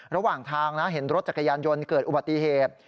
ระหว่างทางนะเห็นรถจักรยานยนต์เกิดอุบัติเหตุ